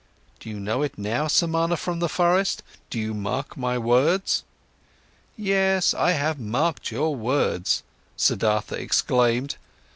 Do you know it now, Samana from the forest? Did you mark my words?" "Yes, I have marked your words," Siddhartha exclaimed.